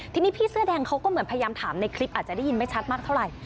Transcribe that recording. ทีนี้พี่เสื้อแดงเขาก็เหมือนพยายามถามในคลิปอาจจะได้ยินไม่ชัดมากเท่าไหร่